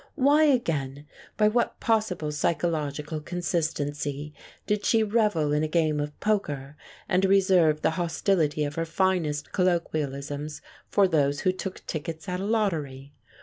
Why, again, by what possible psychological consist ency, did she revel in a game of poker and reserve the hostility of her finest colloquialisms for those who took tickets at a lottery